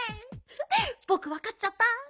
ぼくわかっちゃった。